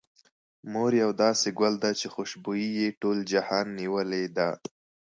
مور يو داسې ګل ده، چې خوشبو يې ټول جهان نيولې ده.